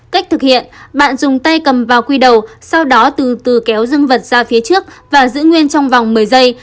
cách thực hiện bạn dùng tay cầm vào quy đầu sau đó từ từ kéo dân vật ra phía trước và giữ nguyên trong vòng một mươi giây